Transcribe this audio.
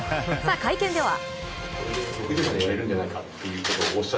会見では。